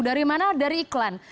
dari mana dari iklan